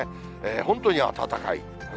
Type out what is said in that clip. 本当に暖かい。